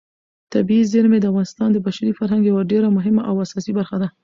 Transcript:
طبیعي زیرمې د افغانستان د بشري فرهنګ یوه ډېره مهمه او اساسي برخه ده.